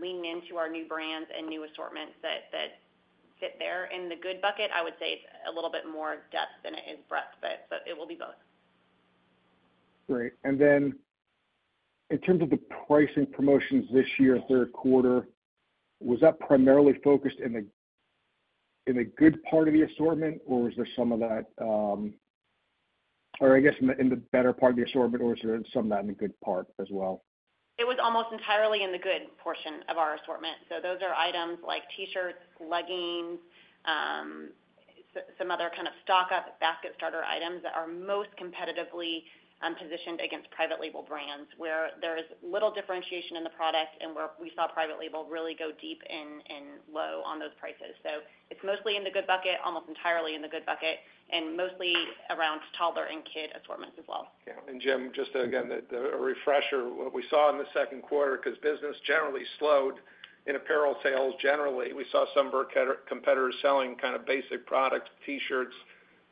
leaning into our new brands and new assortments that fit there. In the good bucket, I would say it's a little bit more depth than it is breadth, but it will be both. Great. And then in terms of the pricing promotions this year, third quarter, was that primarily focused in the, in the good part of the assortment, or was there some of that, or I guess in the, in the better part of the assortment, or is there some of that in the good part as well? It was almost entirely in the good portion of our assortment. So those are items like T-shirts, leggings, some other kind of stock up basket starter items that are most competitively positioned against private label brands, where there is little differentiation in the product and where we saw private label really go deep and low on those prices. So it's mostly in the good bucket, almost entirely in the good bucket, and mostly around toddler and kid assortments as well. Yeah, and Jim, just again, a refresher, what we saw in the second quarter, because business generally slowed in apparel sales, generally, we saw some budget competitors selling kind of basic products, T-shirts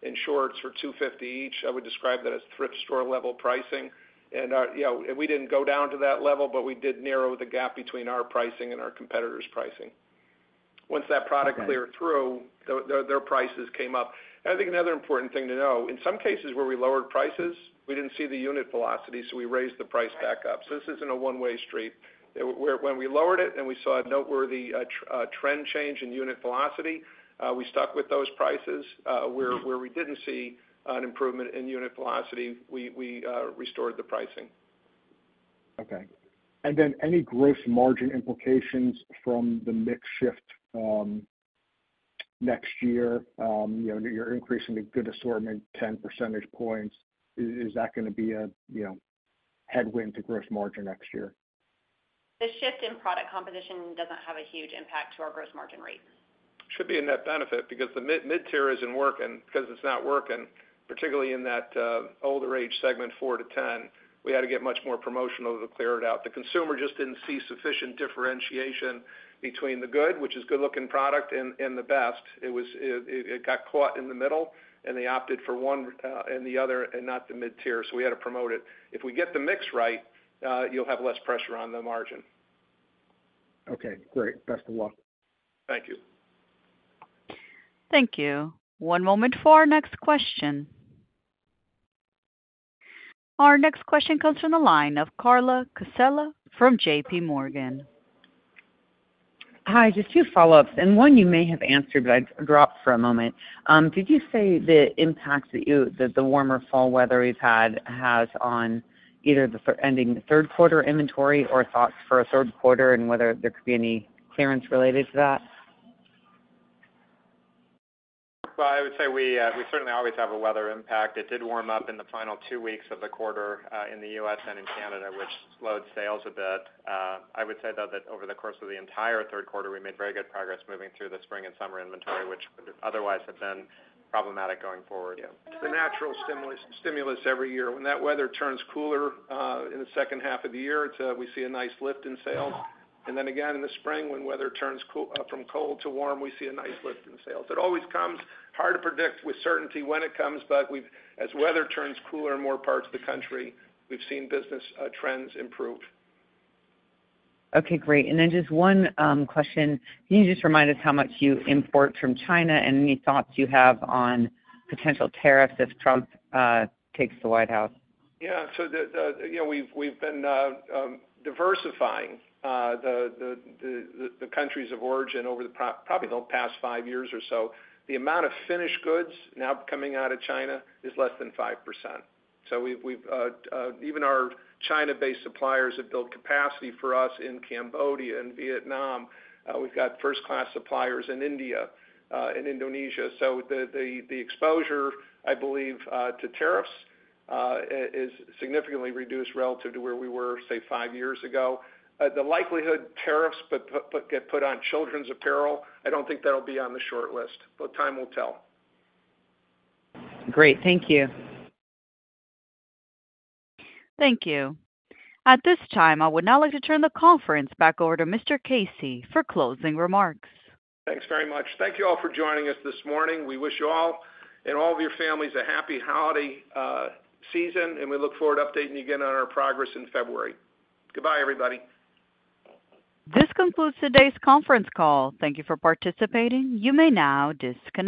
and shorts for $2.50 each. I would describe that as thrift store level pricing. And, you know, we didn't go down to that level, but we did narrow the gap between our pricing and our competitors' pricing. Once that product cleared through, their prices came up. And I think another important thing to know, in some cases where we lowered prices, we didn't see the unit velocity, so we raised the price back up. So this isn't a one-way street. Where when we lowered it and we saw a noteworthy trend change in unit velocity, we stuck with those prices. Where we didn't see an improvement in unit velocity, we restored the pricing. Okay. And then any gross margin implications from the mix shift next year? You know, you're increasing the good assortment 10 percentage points. Is that gonna be a you know, headwind to gross margin next year? The shift in product composition doesn't have a huge impact to our gross margin rate. ... should be a net benefit because the mid-tier isn't working, because it's not working, particularly in that older age segment, four to ten. We had to get much more promotional to clear it out. The consumer just didn't see sufficient differentiation between the good, which is good-looking product, and the best. It was. It got caught in the middle, and they opted for one and the other, and not the mid-tier, so we had to promote it. If we get the mix right, you'll have less pressure on the margin. Okay, great. Best of luck. Thank you. Thank you. One moment for our next question. Our next question comes from the line of Carla Casella from JP Morgan. Hi, just two follow-ups, and one you may have answered, but I dropped for a moment. Did you say the impact that the warmer fall weather we've had has on either the third quarter ending inventory or thoughts for a third quarter, and whether there could be any clearance related to that? I would say we, we certainly always have a weather impact. It did warm up in the final two weeks of the quarter, in the U.S. and in Canada, which slowed sales a bit. I would say, though, that over the course of the entire third quarter, we made very good progress moving through the spring and summer inventory, which would otherwise have been problematic going forward. Yeah. The natural stimulus every year. When that weather turns cooler in the second half of the year, we see a nice lift in sales. And then again, in the spring, when weather turns from cold to warm, we see a nice lift in sales. It always comes hard to predict with certainty when it comes, but as weather turns cooler in more parts of the country, we've seen business trends improve. Okay, great, and then just one question. Can you just remind us how much you import from China and any thoughts you have on potential tariffs if Trump takes the White House? Yeah, so the you know, we've been diversifying the countries of origin over probably the past five years or so. The amount of finished goods now coming out of China is less than 5%. So we've even our China-based suppliers have built capacity for us in Cambodia and Vietnam. We've got first-class suppliers in India and Indonesia. So the exposure, I believe, to tariffs is significantly reduced relative to where we were, say, five years ago. The likelihood tariffs get put on children's apparel, I don't think that'll be on the short list, but time will tell. Great. Thank you. Thank you. At this time, I would now like to turn the conference back over to Mr. Casey for closing remarks. Thanks very much. Thank you all for joining us this morning. We wish you all and all of your families a happy holiday season, and we look forward to updating you again on our progress in February. Goodbye, everybody. This concludes today's conference call. Thank you for participating. You may now disconnect.